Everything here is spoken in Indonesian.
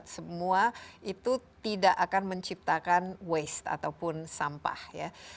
semua itu tidak akan menciptakan waste ataupun sampah ya